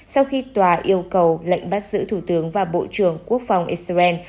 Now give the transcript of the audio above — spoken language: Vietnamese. sau khi tòa yêu cầu lệnh bắt giữ thủ tướng và bộ trưởng quốc phòng israel